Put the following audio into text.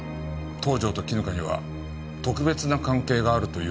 東条と絹香には特別な関係があるといううわさがあった。